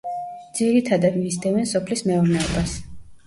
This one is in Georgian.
ძირითადად მისდევენ სოფლის მეურნეობას.